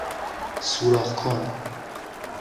سوراخ کن